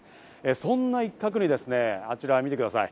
そんな一角にあちら見てください。